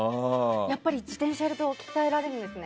やっぱり自転車やると鍛えられるんですね。